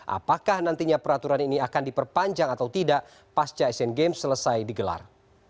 apakah nantinya peraturan ini akan diperpanjang atau tidak pasca asian games selesai digelar